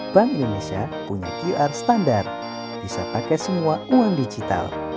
bank indonesia punya qr standar bisa pakai semua uang digital